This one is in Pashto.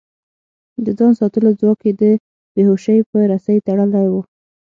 د ځان ساتلو ځواک يې د بې هوشۍ په رسۍ تړلی و.